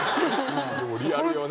でもリアルよね。